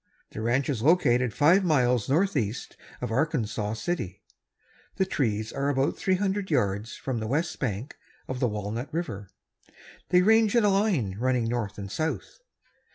The ranch is located five miles northeast of Arkansas City. The trees are about three hundred yards from the west bank of the Walnut River. They range in a line running north and south.